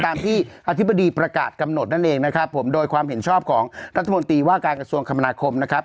ตามที่อธิบดีประกาศกำหนดนั่นเองนะครับผมโดยความเห็นชอบของรัฐมนตรีว่าการกระทรวงคมนาคมนะครับ